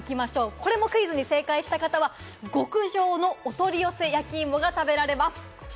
これもクイズに正解した方は極上のお取り寄せ焼き芋が食べられます。